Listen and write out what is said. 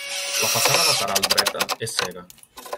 La façana lateral dreta és cega.